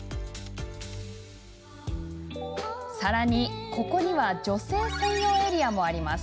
さらに、ここには女性専用エリアもあります。